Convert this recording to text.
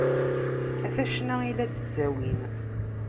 Ata ccna i la d-ttawin.